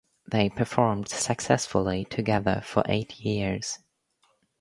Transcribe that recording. They performed successfully together for eight years.